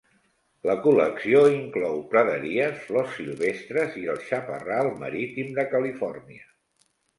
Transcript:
La col·lecció inclou praderies, flors silvestres i el "chaparral" marítim de Califòrnia.